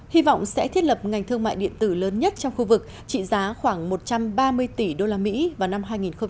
hy vọng sẽ thiết lập ngành thương mại điện tử lớn nhất trong khu vực trị giá khoảng một trăm ba mươi tỷ usd vào năm hai nghìn hai mươi